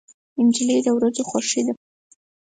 نجلۍ د ورځو خوښي ده.